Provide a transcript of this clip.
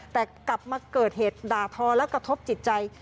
แต่กลับมาเกิดเหตุด่าทอและกระทบจิตใจ